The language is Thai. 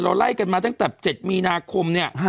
ไล่กันมาตั้งแต่๗มีนาคมเนี่ย